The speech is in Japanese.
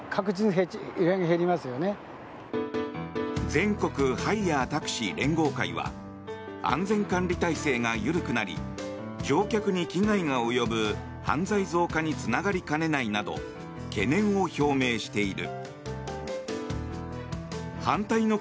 全国ハイヤー・タクシー連合会は安全管理体制が緩くなり乗客に危害が及ぶ犯罪増加につながりかねないなど懸念を表明している。